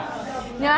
aku yang nyerah